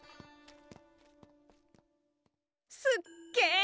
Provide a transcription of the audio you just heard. すっげえ！